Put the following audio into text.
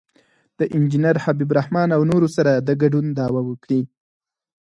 د انجینر حبیب الرحمن او نورو سره د ګډون دعوه وکړي.